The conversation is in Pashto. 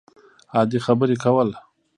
عادي خبرې کول